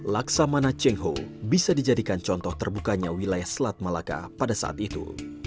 laksamana tsingho bisa dijadikan contoh terbukanya wilayah selat melaka pada saat itu